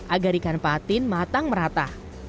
agar ikan patin matang merata